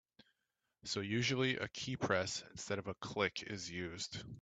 So usually a keypress instead of a click is used.